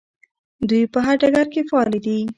دوی په هر ډګر کې فعالې دي.